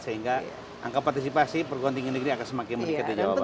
sehingga angka partisipasi perguruan tinggi negeri akan semakin meningkat di jawa barat